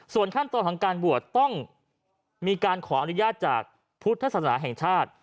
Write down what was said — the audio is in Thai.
ส่วนขั้นตอนของการบวชต้องมีการขออนุญาตจากพุทธศาสนาแห่งชาติ